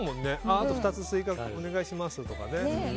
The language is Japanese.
あと２つ追加お願いしますとかね。